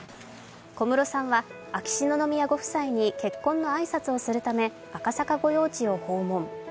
小室さんは秋篠宮ご夫妻に結婚の挨拶をするため、赤坂御用地を訪問。